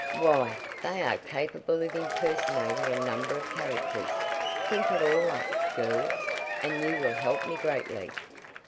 Why, they are capable of impersonating a number of characters. Think it all up, girls, and you will help me greatly.